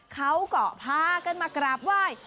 เขาก็พากันมากราบไหว้